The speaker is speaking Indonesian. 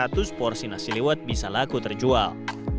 dalam sehari sekitar seratus porsi nasi lewat bisa laku terjual